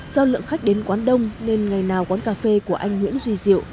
do lượng khách đến quán đông nên ngày nào quán cà phê của anh nguyễn duy diệu